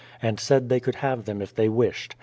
and said they could have them if they wished.